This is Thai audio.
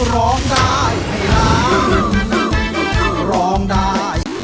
ร้องได้ร้องได้